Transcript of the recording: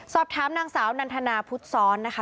สอบถามนางสาวนันทนาพุทธซ้อนนะคะ